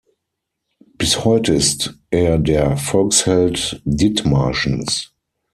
Bis heute ist er der Volksheld Dithmarschens.